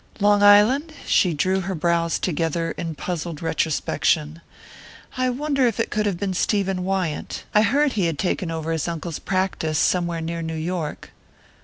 "Long Island?" She drew her brows together in puzzled retrospection. "I wonder if it could have been Stephen Wyant? I heard he had taken over his uncle's practice somewhere near New York."